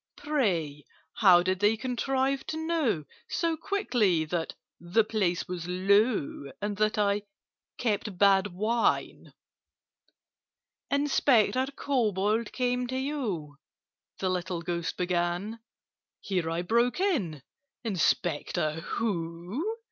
Pray, how did they contrive to know So quickly that 'the place was low,' And that I 'kept bad wine'?" "Inspector Kobold came to you—" The little Ghost began. Here I broke in—"Inspector who?